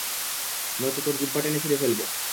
নয়তো, তোর জিহ্বা টেনে ছিড়ে ফেলবো!